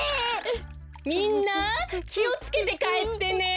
みんなきをつけてかえってね。